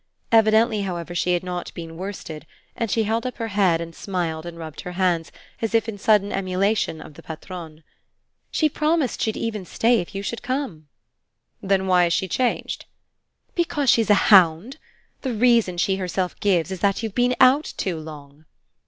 Evidently, however, she had not been worsted, and she held up her head and smiled and rubbed her hands as if in sudden emulation of the patronne. "She promised she'd stay even if you should come." "Then why has she changed?" "Because she's a hound. The reason she herself gives is that you've been out too long."